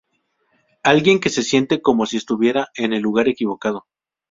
Alguien que se siente como si estuviera en el lugar equivocado".